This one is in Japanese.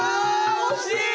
惜しい！